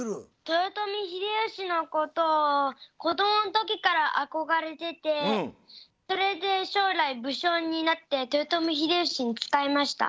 豊臣秀吉のことをこどものときからあこがれててそれでしょうらい武将になって豊臣秀吉に仕えました。